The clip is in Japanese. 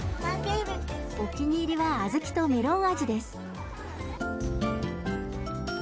お気に入りはあずきとメロン味です。